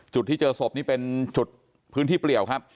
จุดที่เจอสบนี้เป็นชุดพื้นที่เปลี่ยว